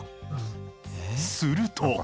すると。